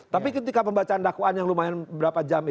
tapi ketika pembacaan dakwaan yang lumayan berapa jam itu